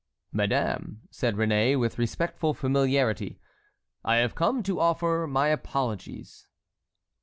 "Madame," said Réné, with respectful familiarity, "I have come to offer my apologies."